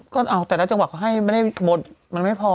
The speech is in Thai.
ก็เอาแต่ละจังหวัดเขาให้ไม่ได้หมดมันไม่พอ